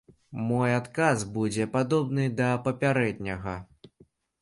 Мой адказ будзе падобны да папярэдняга.